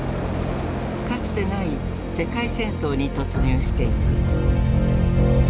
かつてない世界戦争に突入していく。